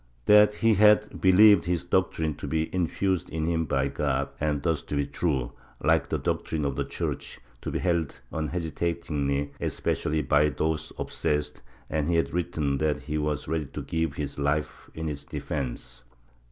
That he had believed this doctrine to be infused in him by God, and thus to be true, like the doctrine of the Church, to be held unhesitatingly, especially by those obsessed, and he had written that he was ready to give his life in its defence